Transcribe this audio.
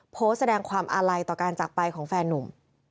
โพสต์แสดงความอาลัยต่อการจากไปของแฟนนุ่ม